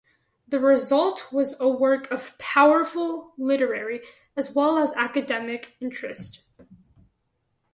The result was a work of powerful literary as well as academic interest.